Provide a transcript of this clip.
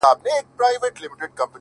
لذت پروت وي’